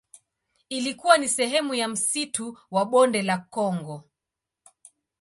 Ilikuwa ni sehemu ya msitu wa Bonde la Kongo.